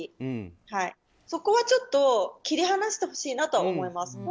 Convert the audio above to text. そこは切り離してほしいなと思います。